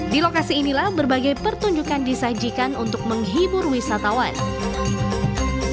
di lokasi inilah berbagai pertunjukan diselenggaranya